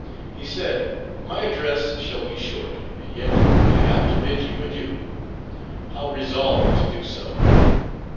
He said, "My address shall be short, and yet I have to bid you adieu! How resolve to do so?